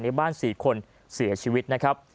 ในบ้าน๔คนเสียชีวิต